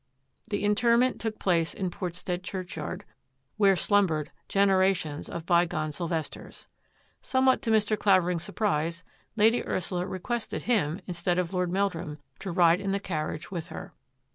The interment took place in Portstead church yard, where slumbered generations of bygone Syl vesters. Somewhat to Mr. Clavering's surprise. Lady Ursula requested him, instead of Lord Mel drum, to ride in the carriage with her.